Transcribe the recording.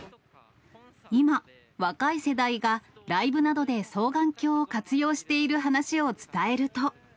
今、若い世代がライブなどで双眼鏡を活用している話を伝えると。